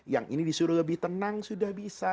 yang ini disuruh lebih tenang sudah bisa